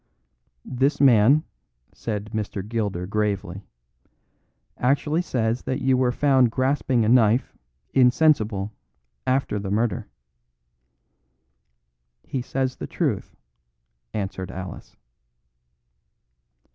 "This man," said Mr. Gilder gravely, "actually says that you were found grasping a knife, insensible, after the murder." "He says the truth," answered Alice.